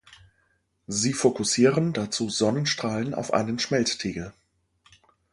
Sie fokussieren dazu Sonnenstrahlen auf einen Schmelztiegel.